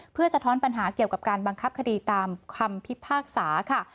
เพื่อสะท้อนปัญหาเกี่ยวกับการบังคับคดีตามคำพิพากษาค่ะ